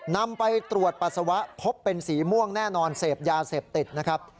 นำไปตรวจปัสสาวะพบเป็นสีม่วงแน่นอนเสพยาเสพติดนะครับ